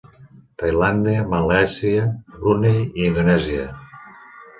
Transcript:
Tailàndia, Malàisia, Brunei i Indonèsia.